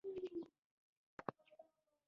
هغه څوک چې په ژبه وهل کوي.